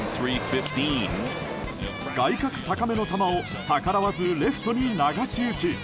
外角高めの球を逆らわずにレフトに流し打ち。